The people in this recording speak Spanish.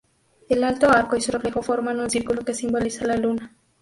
El alto arco y su reflejo forman un círculo, que simboliza la luna.